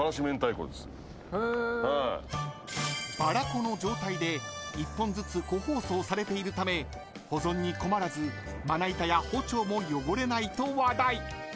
この状態で一本ずつ個包装されているため保存に困らずまな板や包丁も汚れないと話題］